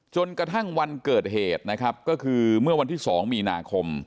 จนกระทั่งวันเกิดเหตุนะครับก็คือเมื่อวันที่๒มีนาคม